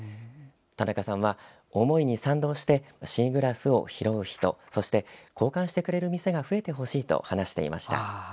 田中さんは、思いに賛同してシーグラスを拾う人そして交換してくれる店が増えてほしいと話していました。